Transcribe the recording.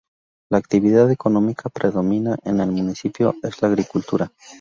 La actividad económica que predomina en el municipio es la agricultura.